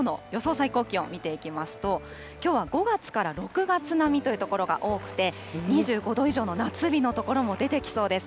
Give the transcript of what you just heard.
最高気温、見ていきますと、きょうは５月から６月並みという所が多くて、２５度以上の夏日の所も出てきそうです。